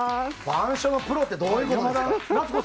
板書のプロってどういうことですか？